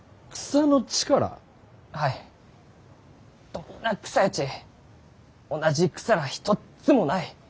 どんな草やち同じ草らあひとっつもない！